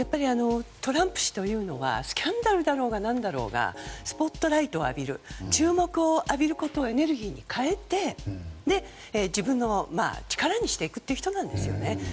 トランプ氏というのはスキャンダルだろうが何だろうがスポットライトを浴びることをエネルギーに変えて自分の力にしていく人なんですね。